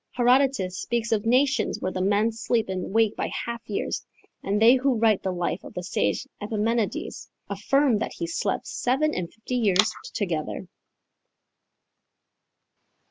Herodotus speaks of nations where the men sleep and wake by half years, and they who write the life of the sage Epimenides affirm that he slept seven and fifty years together.